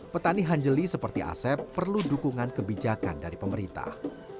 lahan jeli seperti asep perlu dukungan kebijakan dari pemerintah